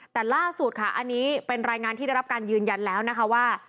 แต่ล่าสุดค่ะอันนี้เป็นรายงานที่ได้รับการยืนยันแล้วนะคะว่า